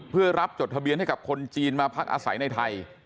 เพื่อรับจดทะเบียนให้กับคนจีนมาพักอาศัยในไทย